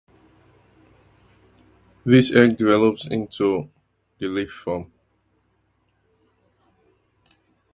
This egg develops into the leaf form.